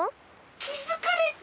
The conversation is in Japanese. きづかれた！